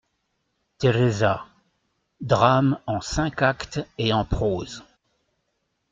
=Teresa.= Drame en cinq actes et en prose.